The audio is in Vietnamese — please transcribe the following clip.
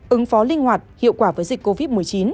ứng phó linh hoạt hiệu quả với dịch covid một mươi chín